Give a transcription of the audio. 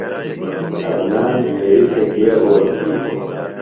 عدنان جُویریۡ تھےۡ کے اول بھی دےۡ؟